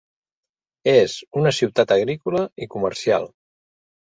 És una ciutat agrícola i comercial.